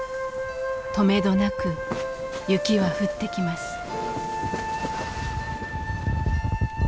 とめどなく雪は降ってきます。